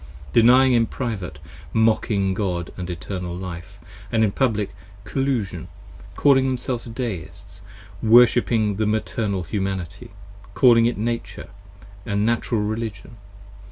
Denying in private, mocking God & Eternal Life: & in Public 65 Collusion, calling themselves Deists, Worshipping the Maternal Humanity: calling it Nature, and Natural Religion.